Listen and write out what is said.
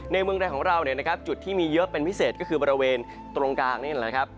เมืองใดของเราเนี่ยนะครับจุดที่มีเยอะเป็นพิเศษก็คือบริเวณตรงกลางนี่แหละครับ